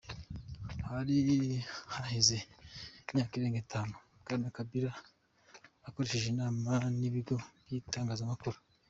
Hari haheze imyaka irenga itanu, Bwana Kabila akoresheje inama n'ibigo vy'itangazamakuru.